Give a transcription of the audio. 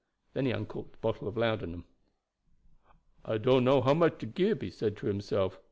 Then he uncorked the bottle of laudanum. "I don't know how much to gib," he said to himself.